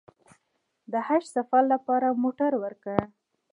د حج سفر لپاره موټر ورکړ.